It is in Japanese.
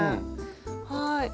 はい。